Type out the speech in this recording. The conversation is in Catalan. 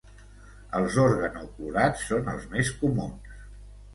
Els organoclorats són els més comuns.